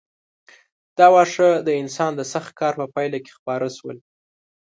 دا واښه د انسان د سخت کار په پایله کې خپاره شول.